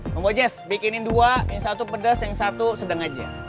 bang bojes bikinin dua yang satu pedas yang satu sedang aja